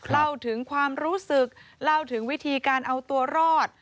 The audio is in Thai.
เล่าถึงความรู้สึกเล่าถึงวิธีการเอาตัวรอด